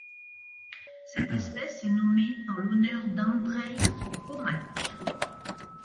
Cette espèce est nommée en l'honneur d'Andrej Komac.